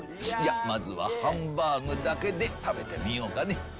いやまずはハンバーグだけで食べてみようかね。